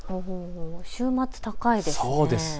週末、高いですね。